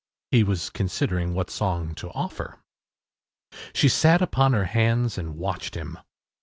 He was considering what song to offer. She sat upon her hands and watched him.